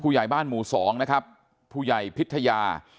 ใหญ่บ้านหมู่สองนะครับผู้ใหญ่พิทยา